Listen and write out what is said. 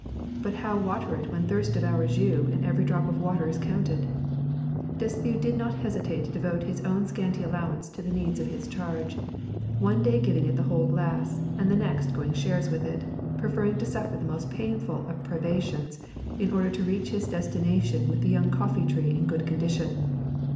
But how water it when thirst devours you and every drop of water is counted? Declieux did not hesi tate to devote his own scanty allowance to the needs of his charge, one day giving it the whole glass, and the next going shares with it, preferring to sutf er the most painful of privations in order to reach h^ des tination with the young coffee tree in good condi tion.